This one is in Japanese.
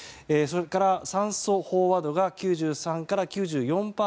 それから酸素飽和度が９３から９４％。